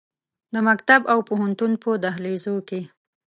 د مکتب او پوهنتون په دهلیزو کې